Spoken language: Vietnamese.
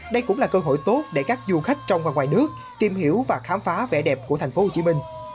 đây cũng là cơ hội tốt để các du khách trong và ngoài nước tìm hiểu và khám phá vẻ đẹp của tp hcm